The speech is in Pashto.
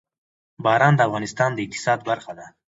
باران د افغانستان د اقتصاد برخه ده.